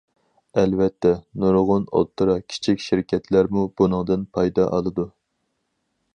ئەلۋەتتە، نۇرغۇن ئوتتۇرا كىچىك شىركەتلەرمۇ بۇنىڭدىن پايدا ئالىدۇ.